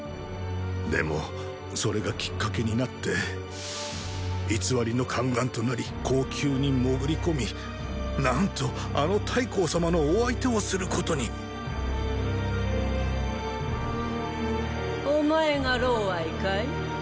でもそれがきっかけになって偽りの宦官となり後宮に潜り込み何とあの太后様のお相手をすることにお前がかい？